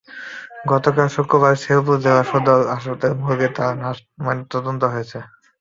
গতকাল শুক্রবার শেরপুর জেলা সদর হাসপাতালের মর্গে তাঁর লাশের ময়নাতদন্ত হয়েছে।